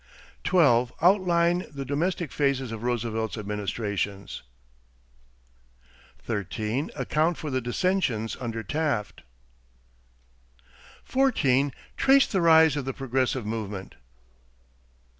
12. Outline the domestic phases of Roosevelt's administrations. 13. Account for the dissensions under Taft. 14. Trace the rise of the Progressive movement.